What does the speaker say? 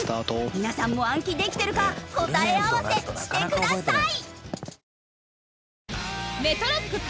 皆さんも暗記できてるか答え合わせしてください。